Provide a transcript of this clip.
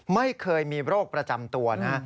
ไม่เคยมีโรคประจำตัวนะ